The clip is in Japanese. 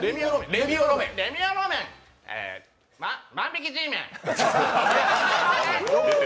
レミオロメン、万引きＧメン。